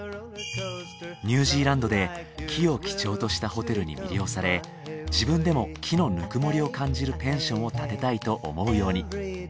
ニュージーランドで木を基調としたホテルに魅了され自分でも木のぬくもりを感じるペンションを建てたいと思うように。